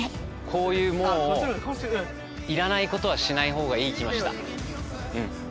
こういういらないことはしないほうがいい気はした。